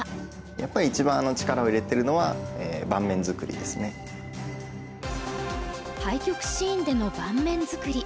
やっぱり対局シーンでの盤面づくり。